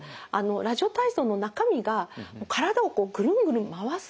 ラジオ体操の中身が体をこうぐるんぐるん回すような。